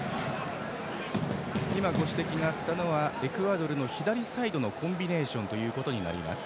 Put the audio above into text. ご指摘があったのはエクアドルの左サイドのコンビネーションとなります。